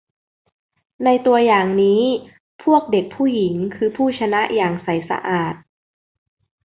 ในตัวอย่างนี้ พวกเด็กผู้หญิงคือผู้ชนะอย่างใสสะอาด